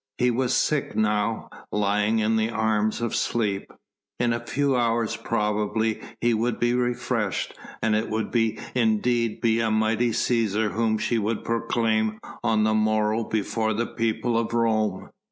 He was sick now, lying in the arms of sleep. In a few hours probably he would be refreshed, and it would indeed be a mighty Cæsar whom she would proclaim on the morrow before the people of Rome.